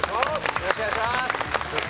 よろしくお願いします